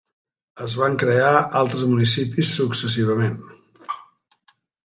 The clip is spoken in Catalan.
Es van crear altres municipis successivament.